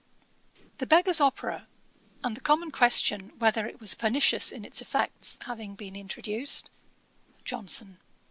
The Beggar's Opera, and the common question, whether it was pernicious in its effects, having been introduced; JOHNSON.